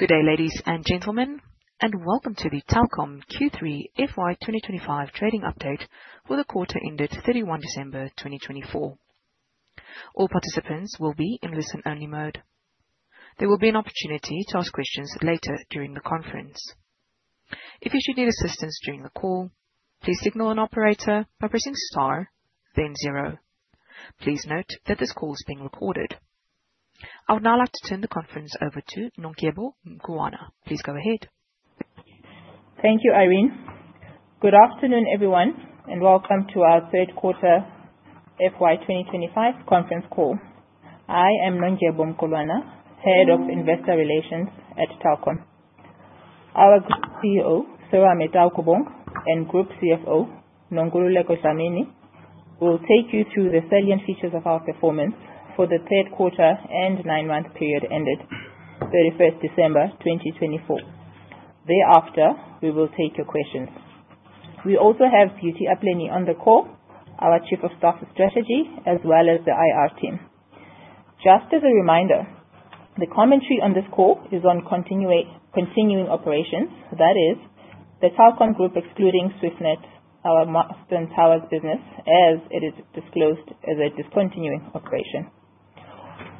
Good day, ladies and gentlemen, and welcome to the Telkom Q3 FY 2025 trading update for the quarter ended 31 December 2024. All participants will be in listen-only mode. There will be an opportunity to ask questions later during the conference. If you should need assistance during the call, please signal an operator by pressing star, then zero. Please note that this call is being recorded. I would now like to turn the conference over to Nondyebo Mqulwana. Please go ahead. Thank you, Irene. Good afternoon, everyone, and welcome to our third quarter FY 2025 conference call. I am Nondyebo Mqulwana, Head of Investor Relations at Telkom. Our CEO, Serame Taukobong, and Group CFO, Nonkululeko Dlamini, will take you through the salient features of our performance for the third quarter and nine-month period ended 31st December 2024. Thereafter, we will take your questions. We also have Beauty Apleni on the call, our Chief of Staff Strategy, as well as the IR team. Just as a reminder, the commentary on this call is on continuing operations, that is, the Telkom Group excluding Swiftnet, our mast and towers business, as it is disclosed as a discontinuing operation.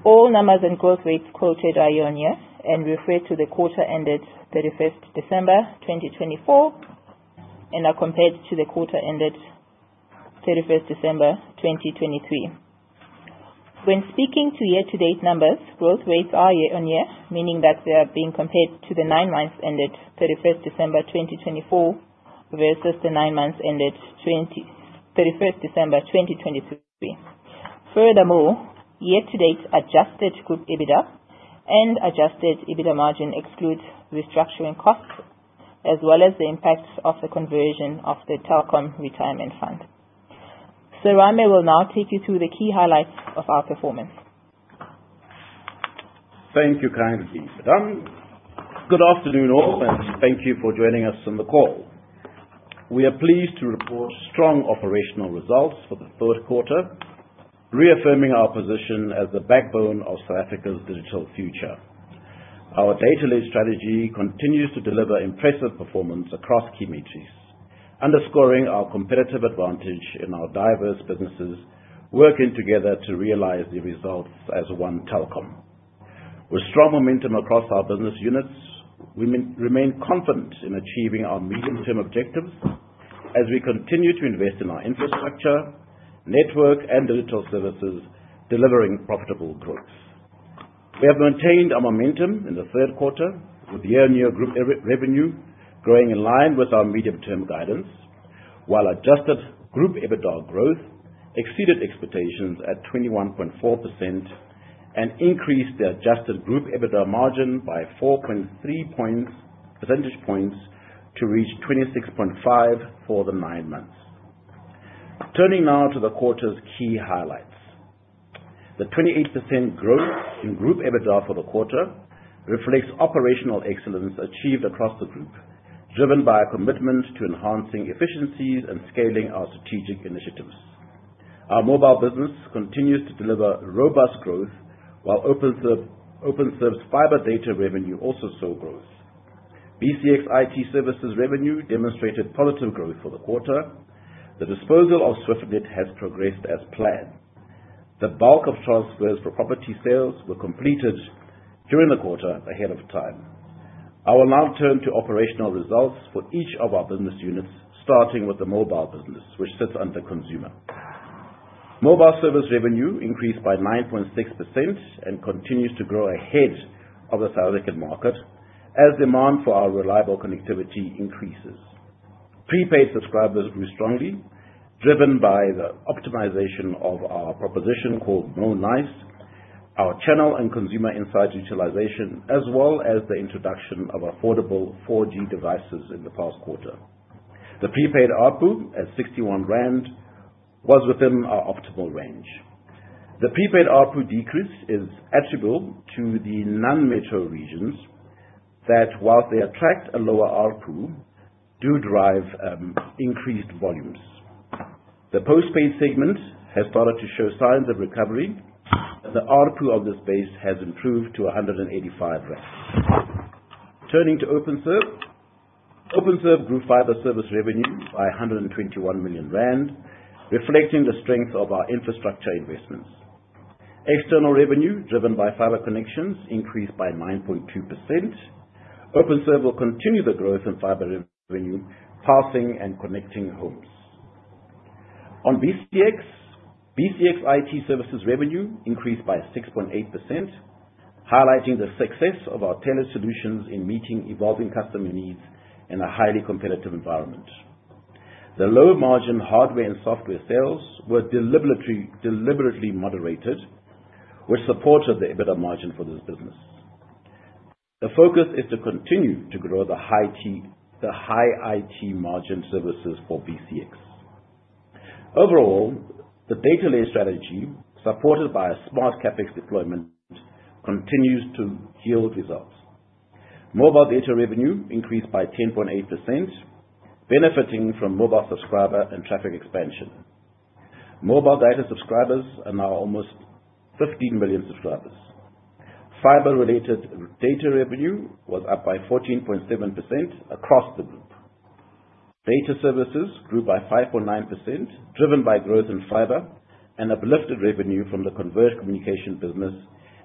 All numbers and growth rates quoted are year-on-year and refer to the quarter ended 31st December 2024 and are compared to the quarter ended 31st December 2023. When speaking to year-to-date numbers, growth rates are year-on-year, meaning that they are being compared to the nine months ended 31 December 2024 versus the nine months ended 31st December 2023. Furthermore, year-to-date Adjusted Group EBITDA and Adjusted EBITDA margin exclude restructuring costs, as well as the impacts of the conversion of the Telkom Retirement Fund. Serame will now take you through the key highlights of our performance. Thank you kindly, madam. Good afternoon all, and thank you for joining us on the call. We are pleased to report strong operational results for the third quarter, reaffirming our position as the backbone of South Africa's digital future. Our data-led strategy continues to deliver impressive performance across key metrics, underscoring our competitive advantage in our diverse businesses working together to realize the results as one Telkom. With strong momentum across our business units, we remain confident in achieving our medium-term objectives as we continue to invest in our infrastructure, network, and digital services, delivering profitable growth. We have maintained our momentum in the third quarter, with year-on-year group revenue growing in line with our medium-term guidance, while Adjusted Group EBITDA growth exceeded expectations at 21.4% and increased the Adjusted Group EBITDA margin by 4.3 percentage points to reach 26.5% for the nine months. Turning now to the quarter's key highlights, the 28% growth in group EBITDA for the quarter reflects operational excellence achieved across the group, driven by a commitment to enhancing efficiencies and scaling our strategic initiatives. Our mobile business continues to deliver robust growth, while Openserve Fiber data revenue also saw growth. BCX IT services revenue demonstrated positive growth for the quarter. The disposal of Swiftnet has progressed as planned. The bulk of transfers for property sales were completed during the quarter ahead of time. I will now turn to operational results for each of our business units, starting with the mobile business, which sits under consumer. Mobile service revenue increased by 9.6% and continues to grow ahead of the South African market as demand for our reliable connectivity increases. Prepaid subscribers grew strongly, driven by the optimization of our proposition called Mo'Nice, our channel and consumer insight utilization, as well as the introduction of affordable 4G devices in the past quarter. The prepaid ARPU at 61 rand was within our optimal range. The prepaid ARPU decrease is attributable to the non-metro regions that, while they attract a lower output, do drive increased volumes. The post-paid segment has started to show signs of recovery, and the ARPU of this base has improved to 185 rand. Turning to Openserve, Openserve grew fiber service revenue by 121 million rand, reflecting the strength of our infrastructure investments. External revenue driven by fiber connections increased by 9.2%. Openserve will continue the growth in fiber revenue, passing and connecting homes. On BCX, BCX IT services revenue increased by 6.8%, highlighting the success of our tailored solutions in meeting evolving customer needs in a highly competitive environment. The low margin hardware and software sales were deliberately moderated, which supported the EBITDA margin for this business. The focus is to continue to grow the high IT margin services for BCX. Overall, the data-led strategy, supported by a smart CapEx deployment, continues to yield results. Mobile data revenue increased by 10.8%, benefiting from mobile subscriber and traffic expansion. Mobile data subscribers are now almost 15 million subscribers. Fiber-related data revenue was up by 14.7% across the group. Data services grew by 5.9%, driven by growth in fiber and uplifted revenue from the converged communication business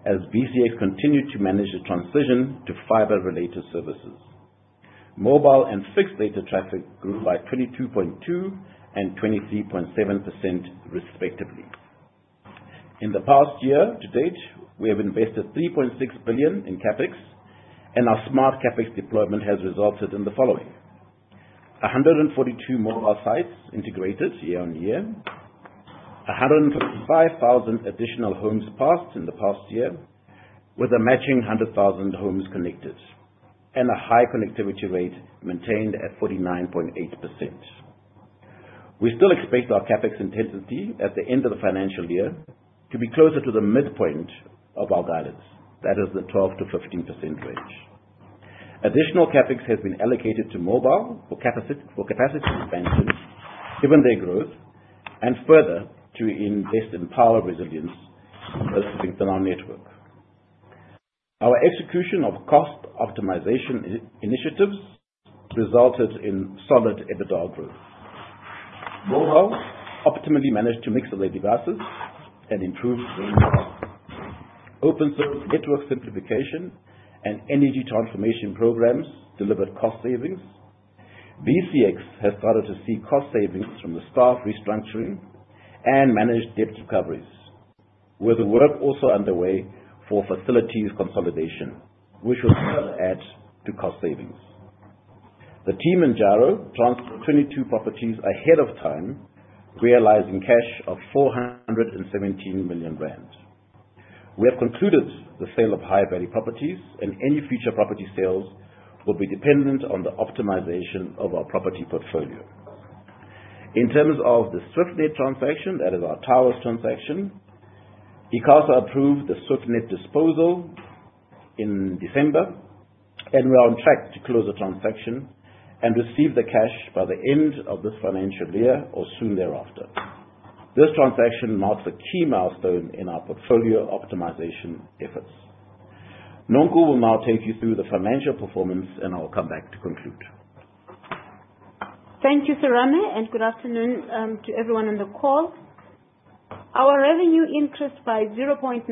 as BCX continued to manage the transition to fiber-related services. Mobile and fixed data traffic grew by 22.2% and 23.7%, respectively. In the past year to date, we have invested 3.6 billion in CapEx, and our smart CapEx deployment has resulted in the following: 142 mobile sites integrated year-on-year, 125,000 additional homes passed in the past year with a matching 100,000 homes connected, and a high connectivity rate maintained at 49.8%. We still expect our CapEx intensity at the end of the financial year to be closer to the midpoint of our guidance. That is, the 12%-15% range. Additional CapEx has been allocated to mobile for capacity expansion, given their growth, and further to invest in power resilience, worsening load shedding on the network. Our execution of cost optimization initiatives resulted in solid EBITDA growth. Mobile optimally managed to mix away from devices and improved growth. Openserve network simplification and energy transformation programs delivered cost savings. BCX has started to see cost savings from the staff restructuring and managed debt recoveries. Work is also underway for facilities consolidation, which will still add to cost savings. The team in Gyro transferred 22 properties ahead of time, realizing cash of 417 million rand. We have concluded the sale of high-value properties, and any future property sales will be dependent on the optimization of our property portfolio. In terms of the Swiftnet transaction, that is our towers transaction, ICASA approved the Swiftnet disposal in December, and we are on track to close the transaction and receive the cash by the end of this financial year or soon thereafter. This transaction marks a key milestone in our portfolio optimization efforts. Nonkulu will now take you through the financial performance, and I'll come back to conclude. Thank you, Serame, and good afternoon to everyone on the call. Our revenue increased by 0.9%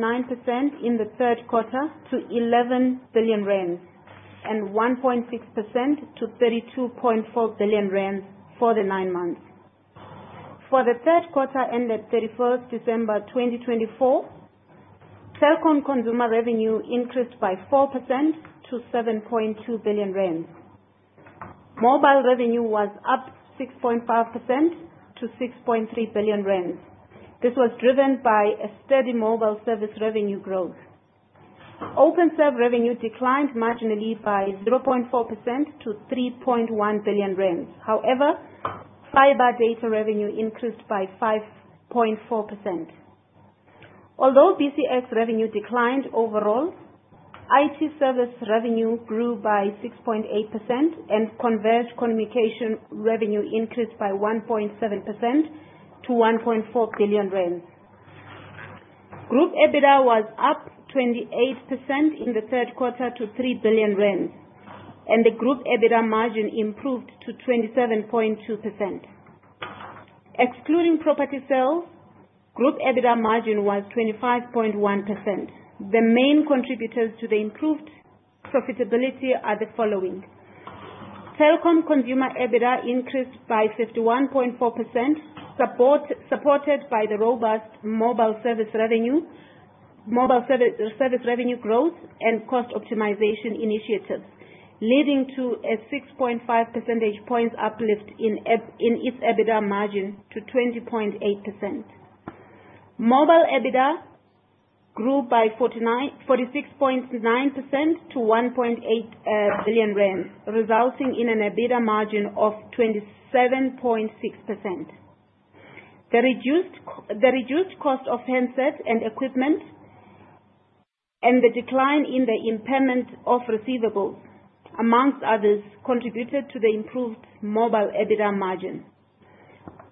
in the third quarter to 11 billion rand and 1.6% to 32.4 billion rand for the nine months. For the third quarter ended 31st December 2024, Telkom consumer revenue increased by 4% to 7.2 billion rand. Mobile revenue was up 6.5% to 6.3 billion rand. This was driven by a steady mobile service revenue growth. Openserve revenue declined marginally by 0.4% to 3.1 billion rand. However, fiber data revenue increased by 5.4%. Although BCX revenue declined overall, IT service revenue grew by 6.8%, and converged communication revenue increased by 1.7% to 1.4 billion rand. Group EBITDA was up 28% in the third quarter to 3 billion rand, and the group EBITDA margin improved to 27.2%. Excluding property sales, group EBITDA margin was 25.1%. The main contributors to the improved profitability are the following: Telkom consumer EBITDA increased by 51.4%, supported by the robust mobile service revenue growth and cost optimization initiatives, leading to a 6.5 percentage points uplift in its EBITDA margin to 20.8%. Mobile EBITDA grew by 46.9% to 1.8 billion rand, resulting in an EBITDA margin of 27.6%. The reduced cost of handsets and equipment and the decline in the impairment of receivables, among others, contributed to the improved mobile EBITDA margin.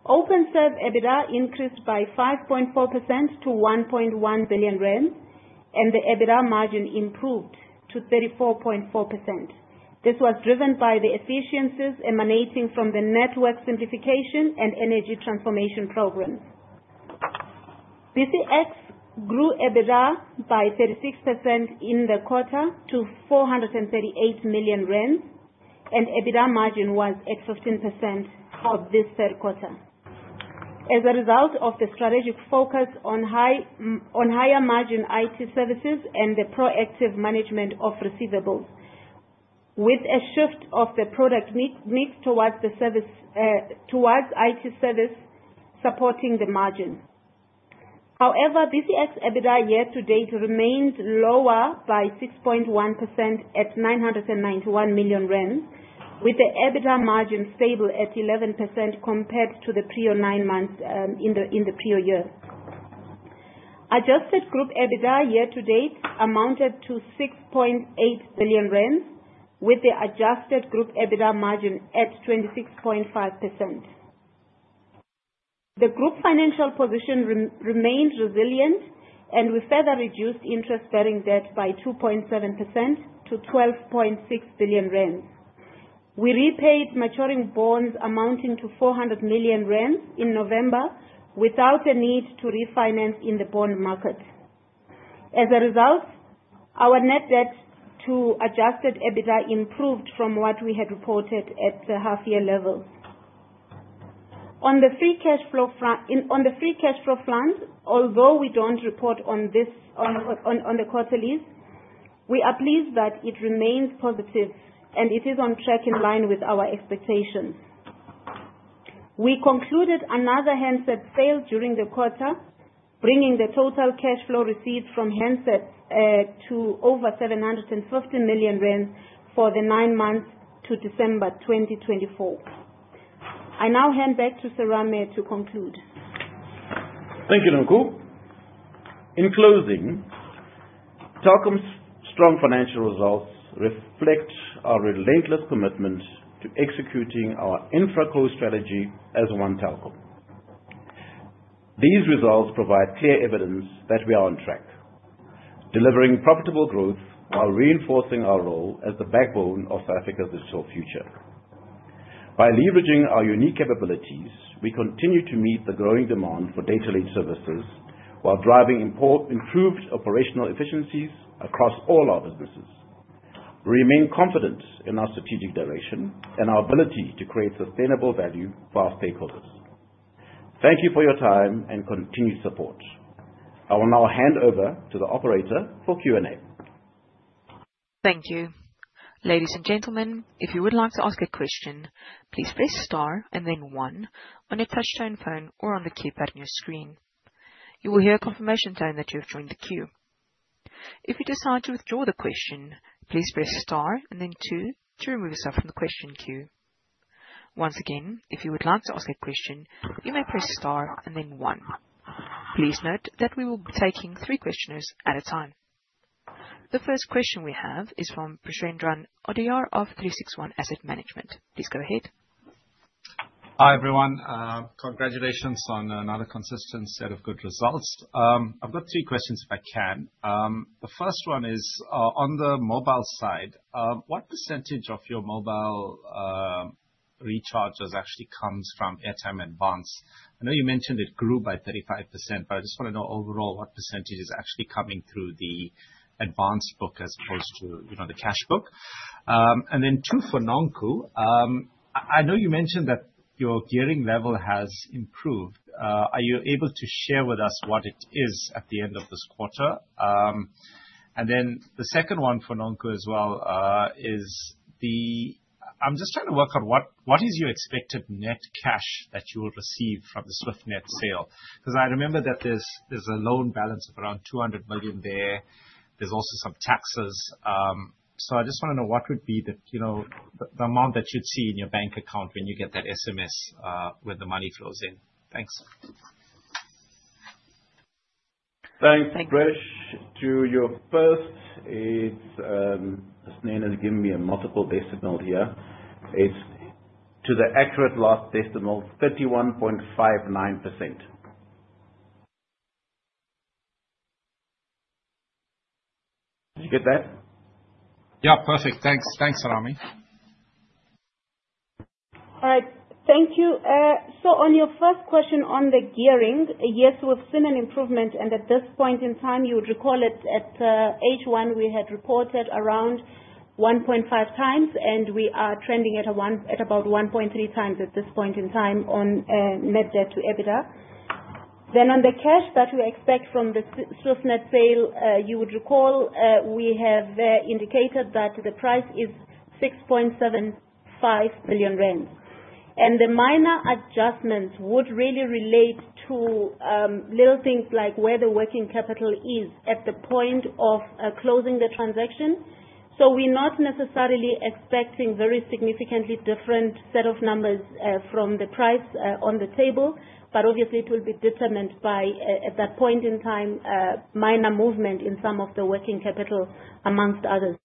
Openserve EBITDA increased by 5.4% to 1.1 billion rand, and the EBITDA margin improved to 34.4%. This was driven by the efficiencies emanating from the network simplification and energy transformation programs. BCX grew EBITDA by 36% in the quarter to 438 million rand, and EBITDA margin was at 15% for this third quarter. As a result of the strategic focus on higher margin IT services and the proactive management of receivables, with a shift of the product mix towards IT service supporting the margin. However, BCX EBITDA year to date remained lower by 6.1% at 991 million rand, with the EBITDA margin stable at 11% compared to the prior nine months in the prior year. Adjusted Group EBITDA year to date amounted to 6.8 billion rand, with the Adjusted Group EBITDA margin at 26.5%. The group financial position remained resilient, and we further reduced interest-bearing debt by 2.7% to 12.6 billion rand. We repaid maturing bonds amounting to 400 million rand in November without a need to refinance in the bond market. As a result, our net debt to adjusted EBITDA improved from what we had reported at the half-year level. On the free cash flow fund, although we don't report on the quarterlies, we are pleased that it remains positive, and it is on track in line with our expectations. We concluded another handset sale during the quarter, bringing the total cash flow received from handsets to over 750 million rand for the nine months to December 2024. I now hand back to Serame to conclude. Thank you, Nonkulu. In closing, Telkom's strong financial results reflect our relentless commitment to executing our InfraCo strategy as one Telkom. These results provide clear evidence that we are on track delivering profitable growth while reinforcing our role as the backbone of South Africa's digital future. By leveraging our unique capabilities, we continue to meet the growing demand for data-led services while driving improved operational efficiencies across all our businesses. We remain confident in our strategic direction and our ability to create sustainable value for our stakeholders. Thank you for your time and continued support. I will now hand over to the operator for Q&A. Thank you. Ladies and gentlemen, if you would like to ask a question, please press star and then one on your touch-tone phone or on the keypad on your screen. You will hear a confirmation tone that you have joined the queue. If you decide to withdraw the question, please press star and then two to remove yourself from the question queue. Once again, if you would like to ask a question, you may press star and then one. Please note that we will be taking three questioners at a time. The first question we have is from Preshendran Odayar of 36ONE Asset Management. Please go ahead. Hi everyone. Congratulations on another consistent set of good results. I've got three questions if I can. The first one is on the mobile side. What percentage of your mobile recharges actually comes from airtime advance? I know you mentioned it grew by 35%, but I just want to know overall what percentage is actually coming through the advance book as opposed to the cash book. And then two for Nonkulu. I know you mentioned that your gearing level has improved. Are you able to share with us what it is at the end of this quarter? And then the second one for Nonkulu as well is. I'm just trying to work out what is your expected net cash that you will receive from the Swiftnet sale? Because I remember that there's a loan balance of around 200 million there. There's also some taxes. I just want to know what would be the amount that you'd see in your bank account when you get that SMS when the money flows in. Thanks. Thanks, Presh. To your first, it's just giving me a multiple decimal here. It's to the accurate last decimal, 31.59%. Did you get that? Yeah, perfect. Thanks, Serame. All right. Thank you. So on your first question on the gearing, yes, we've seen an improvement. And at this point in time, you would recall at H1, we had reported around 1.5x, and we are trending at about 1.3 times at this point in time on net debt to EBITDA. Then on the cash that we expect from the Swiftnet sale, you would recall we have indicated that the price is 6.75 billion rand. And the minor adjustments would really relate to little things like where the working capital is at the point of closing the transaction. So we're not necessarily expecting a very significantly different set of numbers from the price on the table, but obviously, it will be determined by, at that point in time, minor movement in some of the working capital among others.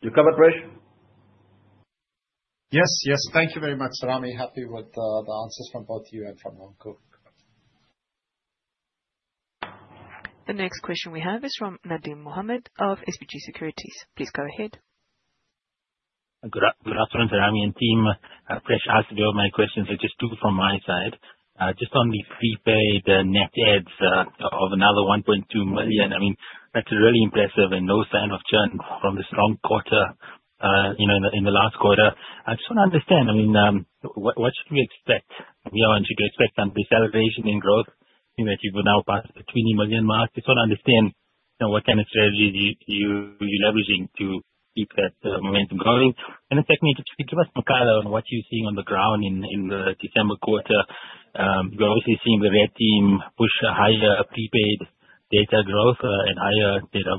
You covered, Presh? Yes, yes. Thank you very much, Serame. Happy with the answers from both you and from Nonkulu. The next question we have is from Nadim Mohamed of SBG Securities. Please go ahead. Good afternoon, Serame and team. I've been asked to ask all my questions. I'll just ask from my side. Just on the prepaid, the net adds of another 1.2 million, I mean, that's really impressive and no sign of churn from this strong quarter in the last quarter. I just want to understand, I mean, what should we expect? Should we expect some deceleration in growth, meaning that you will now pass the 20 million mark? I just want to understand what kind of strategy you're leveraging to keep that momentum going. And the second, could you give us a look at what you're seeing on the ground in the December quarter? You're obviously seeing the red team push a higher prepaid data growth and higher data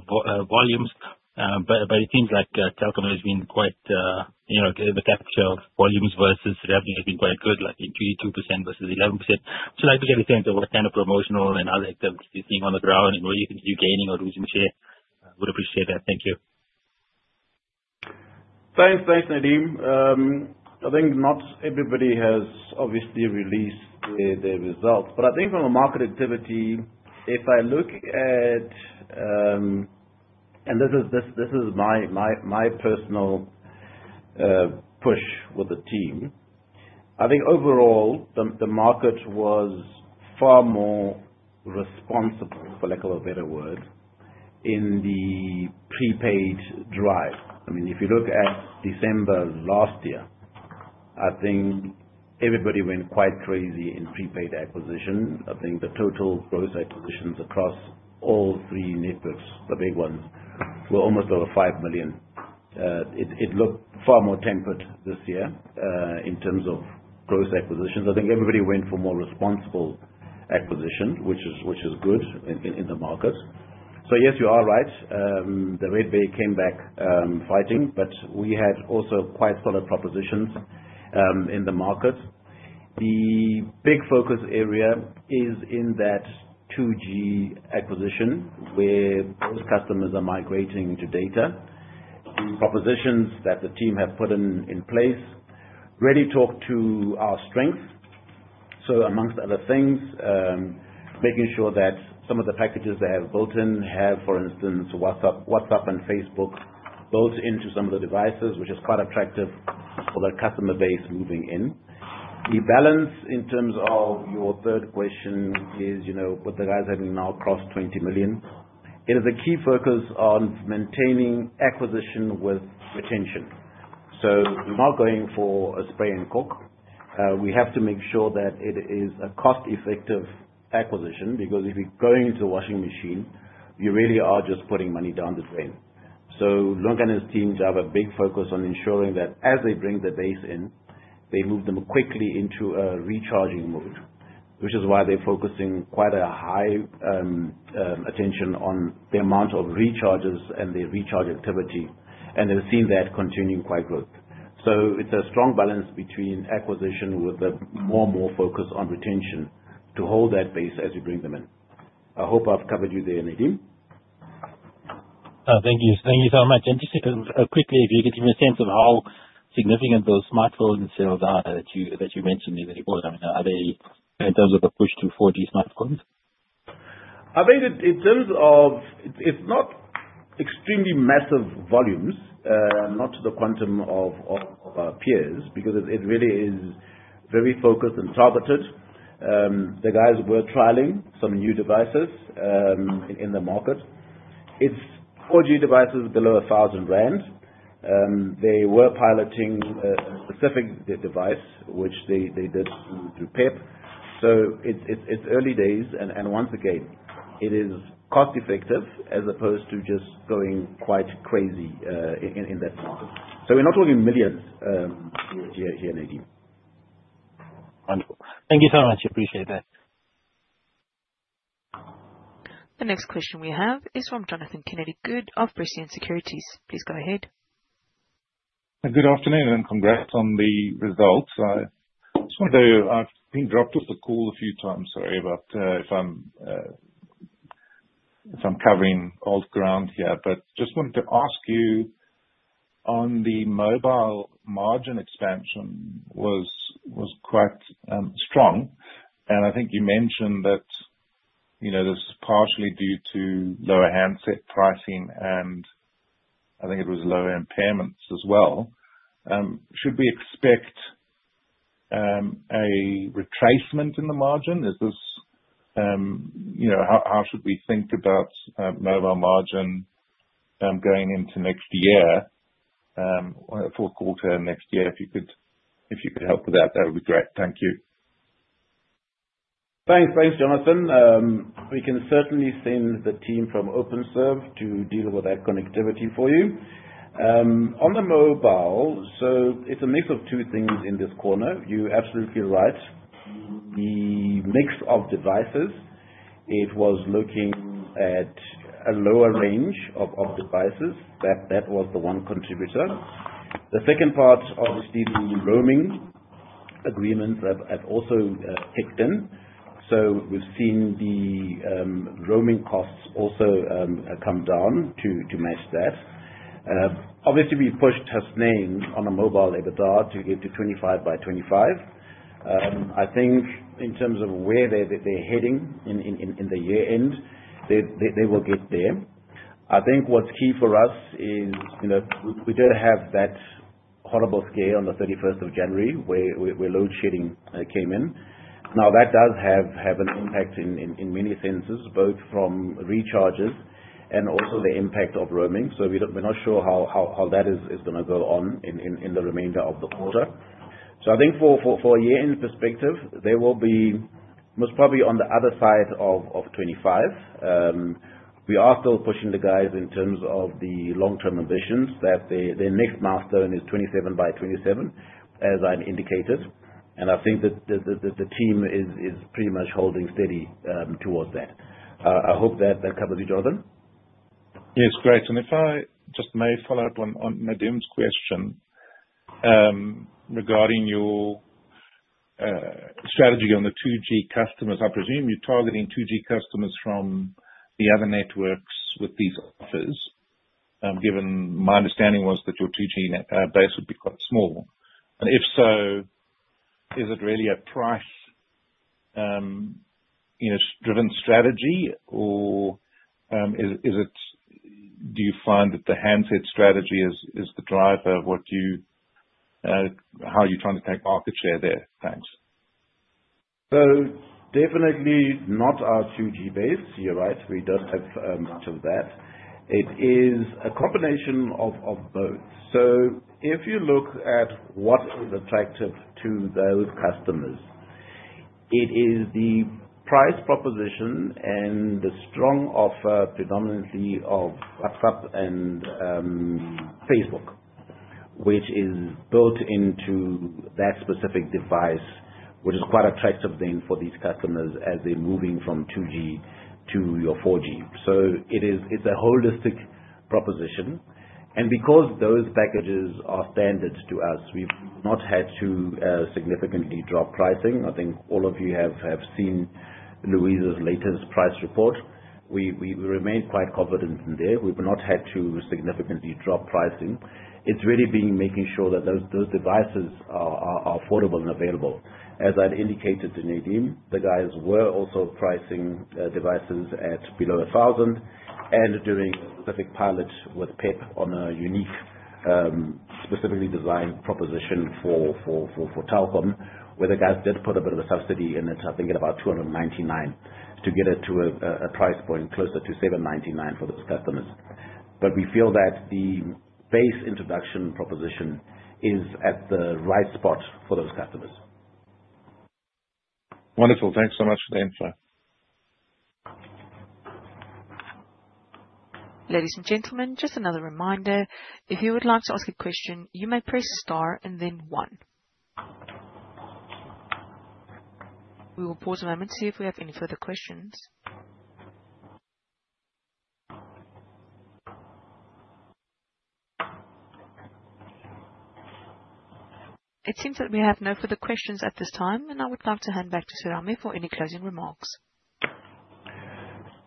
volumes, but it seems like Telkom has been quite the capture of volumes versus revenue has been quite good, like in 22% versus 11%. So I'd like to get a sense of what kind of promotional and other activities you're seeing on the ground and where you can see you gaining or losing share. I would appreciate that. Thank you. Thanks, thanks, Nadim. I think not everybody has obviously released their results, but I think from a market activity, if I look at, and this is my personal push with the team, I think overall the market was far more responsible, for lack of a better word, in the prepaid drive. I mean, if you look at December last year, I think everybody went quite crazy in prepaid acquisition. I think the total gross acquisitions across all three networks, the big ones, were almost over five million. It looked far more tempered this year in terms of gross acquisitions. I think everybody went for more responsible acquisition, which is good in the market. So yes, you are right. The Red team came back fighting, but we had also quite solid propositions in the market. The big focus area is in that 2G acquisition where most customers are migrating to data. The propositions that the team have put in place really talk to our strengths, so among other things, making sure that some of the packages they have built in have, for instance, WhatsApp and Facebook built into some of the devices, which is quite attractive for the customer base moving in. The balance in terms of your third question is what the guys have now crossed 20 million. It is a key focus on maintaining acquisition with retention, so we're not going for a spray and cook. We have to make sure that it is a cost-effective acquisition because if you're going to a washing machine, you really are just putting money down the drain. So Lunga and his team have a big focus on ensuring that as they bring the base in, they move them quickly into a recharging mode, which is why they're focusing quite a high attention on the amount of recharges and their recharge activity. And they've seen that continuing quite well. So it's a strong balance between acquisition with more and more focus on retention to hold that base as you bring them in. I hope I've covered you there, Nadim. Thank you. Thank you so much. And just quickly, if you could give me a sense of how significant those smartphones and cells are that you mentioned earlier on, I mean, are they in terms of a push to 4G smartphones? I think in terms of it's not extremely massive volumes, not to the quantum of our peers because it really is very focused and targeted. The guys were trialing some new devices in the market. It's 4G devices below 1,000 rand. They were piloting a specific device, which they did through PEP. So it's early days. And once again, it is cost-effective as opposed to just going quite crazy in that market. So we're not talking millions here, Nadim. Wonderful. Thank you so much. Appreciate that. The next question we have is from Jonathan Kennedy-Good of Prescient Securities. Please go ahead. Good afternoon, and congrats on the results. I just wanted to. I've been dropped off the call a few times. Sorry about if I'm covering old ground here, but just wanted to ask you on the mobile margin expansion, which was quite strong, and I think you mentioned that this is partially due to lower handset pricing and I think it was lower impairments as well. Should we expect a retracement in the margin? How should we think about mobile margin going into next year, fourth quarter next year? If you could help with that, that would be great. Thank you. Thanks, Jonathan. We can certainly send the team from Openserve to deal with that connectivity for you. On the mobile, so it's a mix of two things in this quarter. You absolutely right. The mix of devices, it was looking at a lower range of devices. That was the one contributor. The second part obviously the roaming agreements have also kicked in. So we've seen the roaming costs also come down to match that. Obviously, we pushed on mobile EBITDA to get to 25 by 25. I think in terms of where they're heading in the year end, they will get there. I think what's key for us is we don't have that horrible scare on the 31st of January where load shedding came in. Now, that does have an impact in many senses, both from recharges and also the impact of roaming. So we're not sure how that is going to go on in the remainder of the quarter. So I think for a year-end perspective, they will be most probably on the other side of 25. We are still pushing the guys in terms of the long-term ambitions that their next milestone is 27 by 27 as I've indicated. And I think that the team is pretty much holding steady towards that. I hope that covers you, Jonathan. Yes, great. And if I just may follow up on Nadim's question regarding your strategy on the 2G customers, I presume you're targeting 2G customers from the other networks with these offers. Given my understanding was that your 2G base would be quite small. And if so, is it really a price-driven strategy or do you find that the handset strategy is the driver of how you're trying to take market share there? Thanks. So definitely not our 2G base here, right? We don't have much of that. It is a combination of both. So if you look at what is attractive to those customers, it is the price proposition and the strong offer predominantly of WhatsApp and Facebook, which is built into that specific device, which is quite attractive then for these customers as they're moving from 2G to your 4G. So it's a holistic proposition. And because those packages are standard to us, we've not had to significantly drop pricing. I think all of you have seen Louise's latest price report. We remain quite confident in there. We've not had to significantly drop pricing. It's really being making sure that those devices are affordable and available. As I indicated to Nadim, the guys were also pricing devices at below 1,000 and doing a specific pilot with PEP on a unique, specifically designed proposition for Telkom, where the guys did put a bit of a subsidy in it. I think at about 299 to get it to a price point closer to 799 for those customers. But we feel that the base introduction proposition is at the right spot for those customers. Wonderful. Thanks so much for the info. Ladies and gentlemen, just another reminder. If you would like to ask a question, you may press star and then one. We will pause a moment to see if we have any further questions. It seems that we have no further questions at this time, and I would love to hand back to Serame for any closing remarks.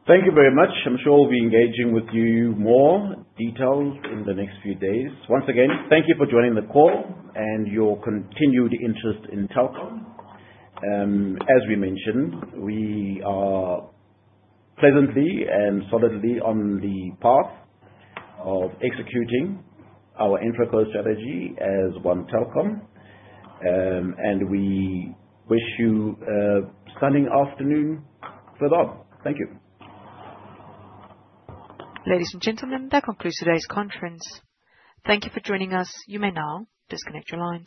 Thank you very much. I'm sure we'll be engaging with you more details in the next few days. Once again, thank you for joining the call and your continued interest in Telkom. As we mentioned, we are presently and solidly on the path of executing our infra-core strategy as one Telkom, and we wish you a stunning afternoon for that. Thank you. Ladies and gentlemen, that concludes today's conference. Thank you for joining us. You may now disconnect your lines.